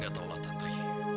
gak tau lah tantri